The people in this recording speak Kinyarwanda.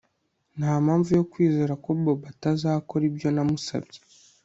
Ntampamvu yo kwizera ko Bobo atazakora ibyo namusabye